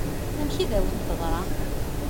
Amek i d-awen-teḍṛa?